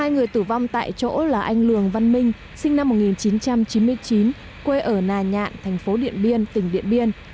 hai người tử vong tại chỗ là anh lường văn minh sinh năm một nghìn chín trăm chín mươi chín quê ở nà nhạn thành phố điện biên tỉnh điện biên